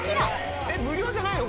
無料じゃないの？